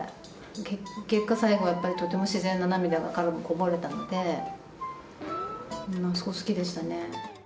結果最後はやっぱりとても自然な涙が彼もこぼれたのでそこ好きでしたね。